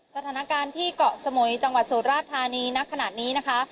สถานการณ์ที่เกาะสมุยจังหวัดสุราธานีนักขนาดนี้นะคะ